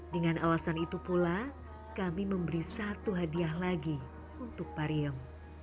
dengan alasan itu pula kami memberi satu hadiah lagi untuk pariem